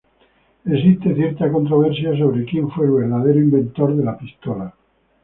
Existe cierta controversia sobre quien fue el verdadero inventor de la pistola.